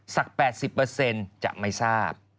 ๘๐จะไม่ทราบ